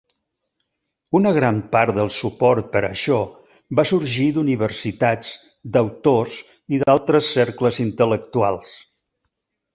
Una gran part del suport per a això va sorgir d'universitats, d'autors i d'altres cercles intel·lectuals.